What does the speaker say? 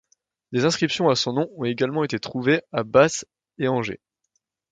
Des inscriptions à son nom ont également été trouvés à Bath et Angers.